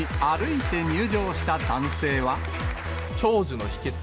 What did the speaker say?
長寿の秘けつ。